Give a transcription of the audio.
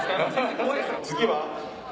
次は。